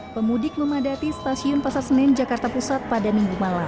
pemudik memadati stasiun pasar senen jakarta pusat pada minggu malam